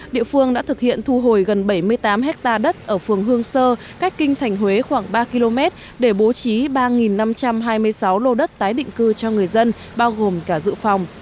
địa phương đã thực hiện thu hồi gần bảy mươi tám hectare đất ở phường hương sơ cách kinh thành huế khoảng ba km để bố trí ba năm trăm hai mươi sáu lô đất tái định cư cho người dân bao gồm cả dự phòng